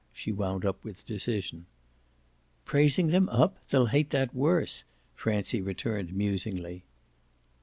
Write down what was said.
she wound up with decision. "Praising them up? They'll hate that worse," Francie returned musingly.